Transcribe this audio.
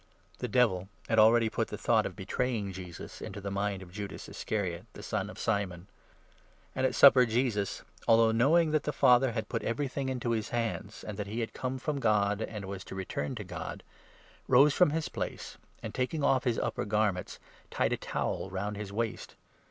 The Devil had already put the thought of betray 2 ing Jesus into the mind of Judas Iscariot, the son of Simon ; and at supper, Jesus — although knowing that the Father had 3 put everything into his hands, and that he had come from God, and was to return to God — rose from his place, and, taking 4 off his upper garments, tied a towel round his waist.